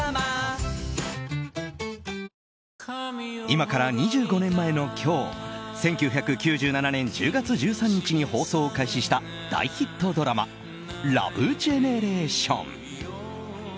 今から２５年前の今日１９９７年１０月１３日に放送を開始した大ヒットドラマ「ラブジェネレーション」。